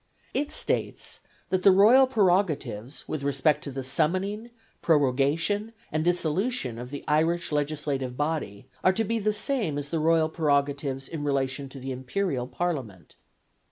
It states that the royal prerogatives with respect to the summoning, prorogation, and dissolution of the Irish legislative body are to be the same as the royal prerogatives in relation to the Imperial Parliament.